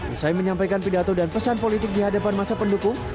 usai menyampaikan pidato dan pesan politik di hadapan masa pendukung